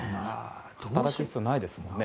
働く必要ないですもんね。